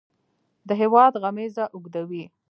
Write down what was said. د هیواد غمیزه اوږدوي.